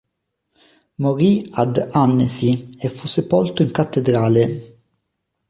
Morì ad Annecy e fu sepolto in cattedrale.